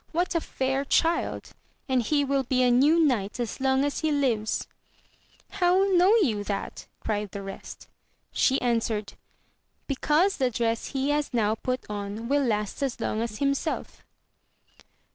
What a fair child i and he will be a new knight as long as he lives 1 How know you that 1 cried the rest. She answered, Because the dress he has now put on will last as long as himself.